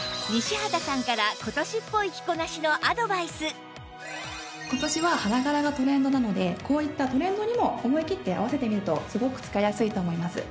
西畑さんから今年は花柄がトレンドなのでこういったトレンドにも思いきって合わせてみるとすごく使いやすいと思います。